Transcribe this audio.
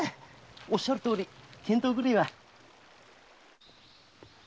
おっしゃるとおり見当ぐらいは。